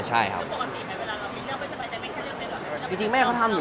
แล้วถ่ายละครมันก็๘๙เดือนอะไรอย่างนี้